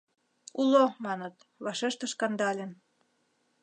— Уло, маныт... — вашештыш Кандалин.